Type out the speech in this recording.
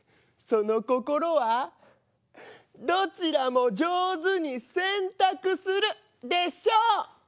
その心は「どちらも上手にせんたくする」でしょう。